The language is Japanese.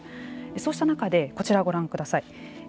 そうした中でこちらをご覧ください。